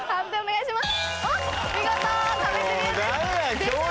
判定お願いします。